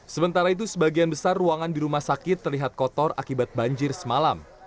sementara itu sebagian besar ruangan di rumah sakit terlihat kotor akibat banjir semalam